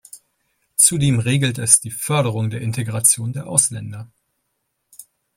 Zudem regelt es die Förderung der Integration der Ausländer.